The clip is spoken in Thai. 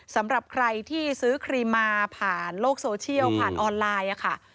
สำหรับใครที่ซื้อครีมมาผ่านโลกโซเชียลผ่านออนไลน์ค่ะ